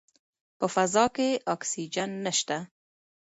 په فضا کې اکسیجن نشته.